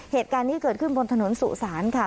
เหตุการณ์นี้เกิดขึ้นบนถนนสุสานค่ะ